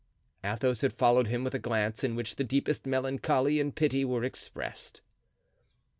Athos had followed him with a glance in which the deepest melancholy and pity were expressed.